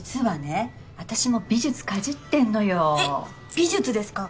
美術ですか？